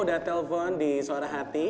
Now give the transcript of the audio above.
udah telpon di suara hati